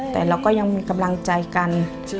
แต่เราก็ยังมีกำลังใจกัน